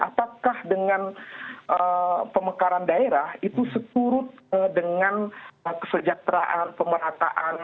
apakah dengan pemekaran daerah itu seturut dengan kesejahteraan pemerataan